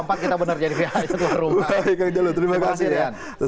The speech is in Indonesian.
baik kang jalo terima kasih ya